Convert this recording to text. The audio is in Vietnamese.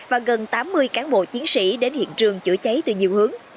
và gần tám mươi cán bộ chiến sĩ đến hiện trường chữa cháy từ nhiều hướng